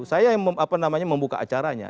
saya yang apa namanya membuka acaranya